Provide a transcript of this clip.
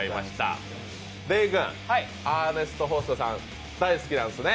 出井君、アーネスト・ホーストさん大好きなんですね？